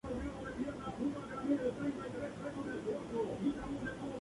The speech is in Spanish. Fernando Marín en www.lfp.es